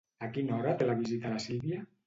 A quina hora té la visita la Sílvia?